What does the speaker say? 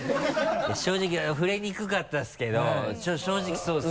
正直触れにくかったですけどちょっと正直そうですね。